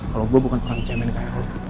kalau gue bukan orang cemen kayak lo